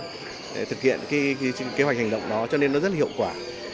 để thực hiện cái kế hoạch hành động đó cho nên nó rất hiệu quả